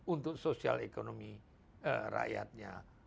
untuk sosial ekonomi rakyatnya